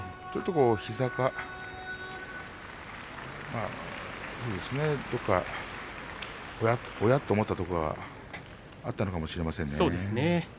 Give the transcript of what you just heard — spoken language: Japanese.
ちょっと膝かどこかおやっと思ったところがあったのかもしれませんね。